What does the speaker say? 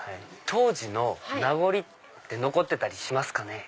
当時の名残って残ってたりしますかね？